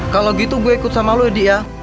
kalau gitu gue ikut sama lo ya di ya